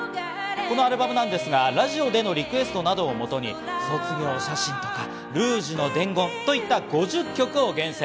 このアルバムですが、ラジオでのリクエストなどをもとに『卒業写真』とか『ルージュの伝言』といった５０曲を厳選。